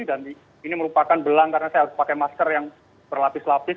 dan ini merupakan belang karena saya harus pakai masker yang berlapis lapis